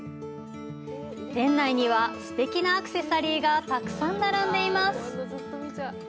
店内には、すてきなアクセサリーがたくさん並んでいます。